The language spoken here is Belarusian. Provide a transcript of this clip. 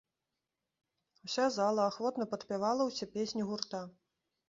Уся зала ахвотна падпявала ўсе песні гурта.